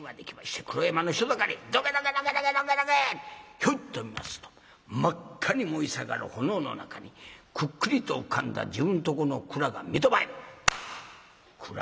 ヒョイと見ますと真っ赤に燃え盛る炎の中にくっきりと浮かんだ自分とこの蔵が三戸前。